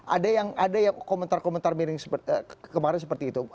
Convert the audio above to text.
ada yang komentar komentar miring kemarin seperti itu